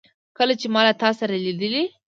کله چي ما له تا سره لیدلې